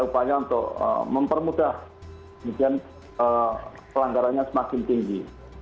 kita harus mempermudah pelanggarannya semakin tinggi